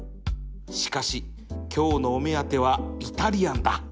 しかし今日のお目当てはイタリアンだ